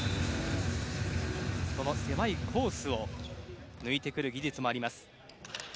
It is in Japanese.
その狭いコースを抜いてくる技術もあります。